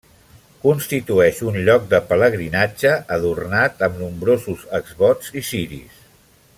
Constitueix un lloc de pelegrinatge, adornat amb nombrosos exvots i ciris.